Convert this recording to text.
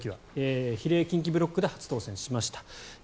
比例近畿ブロックで初当選しました。